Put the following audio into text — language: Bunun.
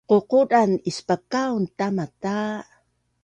ququdan ispakaun tama ta